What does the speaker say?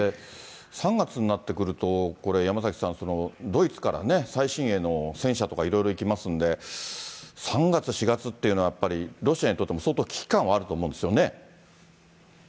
３月になってくると、これ山崎さん、ドイツからね、最新鋭の戦車とかいろいろいきますんで、３月、４月というのは、やっぱりロシアにとっても相当危機感はあると思うんですよね。